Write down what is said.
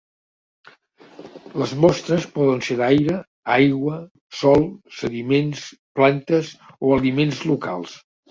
Les mostres poden ser d'aire, aigua, sòl, sediments, plantes o aliments locals.